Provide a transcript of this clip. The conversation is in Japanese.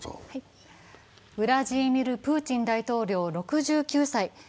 ウラジーミル・プーチン大統領６９歳。